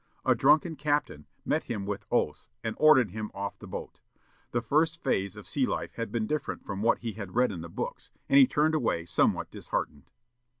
A drunken captain met him with oaths, and ordered him off the boat. The first phase of sea life had been different from what he had read in the books, and he turned away somewhat disheartened.